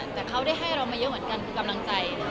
แต่ว่าจะต้องซู่